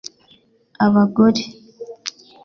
abagore